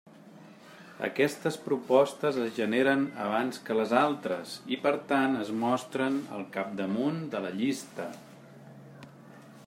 Aquestes propostes es generen abans que les altres i per tant es mostren al capdamunt de la llista.